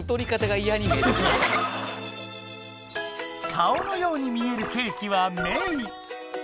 顔のように見えるケーキはメイ。